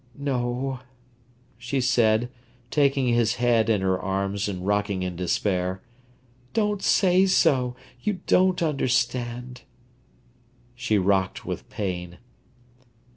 "No," she said, taking his head in her arms and rocking in despair. "Don't say so! You don't understand." She rocked with pain.